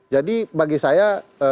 jadi bagi saya